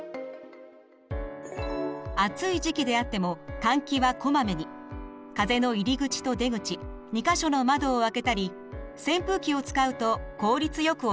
暑い時期であっても風の入り口と出口２か所の窓を開けたり扇風機を使うと効率よく行えます。